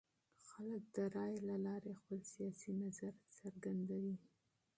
خلک د رایې له لارې خپل سیاسي نظر څرګندوي